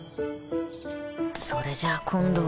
それじゃあ今度は